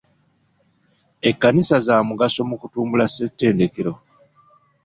Ekkanisa za mugaso mu kutumbula ssettendekero.